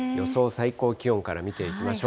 最高気温から見ていきましょう。